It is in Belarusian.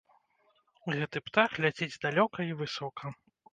Гэты птах ляціць далёка і высока!